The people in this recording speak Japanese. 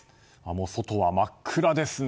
もう外は真っ暗ですね。